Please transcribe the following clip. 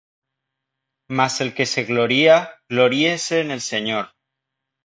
Mas el que se gloría, gloríese en el Señor.